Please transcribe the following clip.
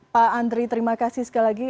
pak andri terima kasih sekali lagi